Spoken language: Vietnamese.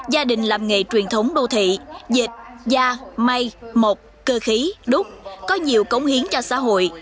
gia đình làm nghề truyền thống đô thị dịch da may một cơ khí đút có nhiều cống hiến cho xã hội